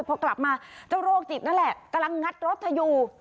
พอกลับมาเจ้าโรคจิตนั่นแหละกำลังงัดรถเธออยู่